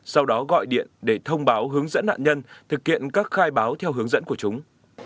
sau đó gọi điện để thông báo hướng dẫn nạn nhân thực hiện các khai báo theo hướng dẫn của chúng